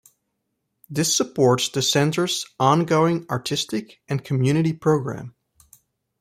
This supports the centre's ongoing artistic and community programme.